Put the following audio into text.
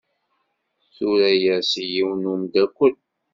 Tura-as i yiwen n umeddakel.